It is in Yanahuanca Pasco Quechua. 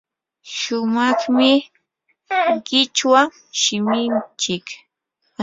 sumaqmi qichwa shiminchik.